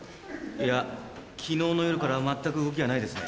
いや昨日の夜から全く動きがないですね。